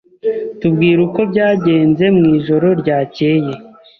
Tubwire uko byagenze mwijoro ryakeye.